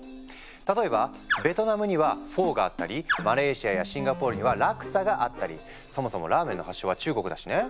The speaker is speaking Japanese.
例えばベトナムには「フォー」があったりマレーシアやシンガポールには「ラクサ」があったりそもそもラーメンの発祥は中国だしね。